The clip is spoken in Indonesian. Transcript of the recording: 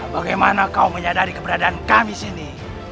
bagaimana kau menyadari keberadaan kami sini